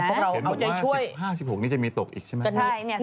พวกเราเอาใจช่วย๑๕๑๖นี่จะมีตกอีกใช่ไหม